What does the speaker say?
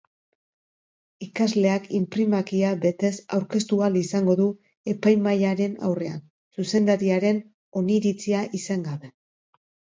Ikasleak inprimakia betez aurkeztu ahal izango du epaimahaiaren aurrean, zuzendariaren oniritzia izan gabe.